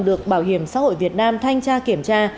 được bảo hiểm xã hội việt nam thanh tra kiểm tra